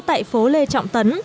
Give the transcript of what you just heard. tại phố lê trọng tấn